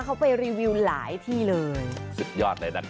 เขาไปรีวิวหลายที่เลย